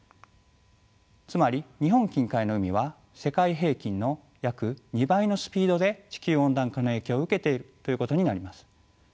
つまり日本近海の海は世界平均の約２倍のスピードで地球温暖化の影響を受けているということになります。